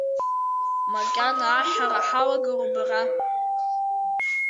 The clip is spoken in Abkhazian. Макьана аҳәҳәара ҳалагару бара?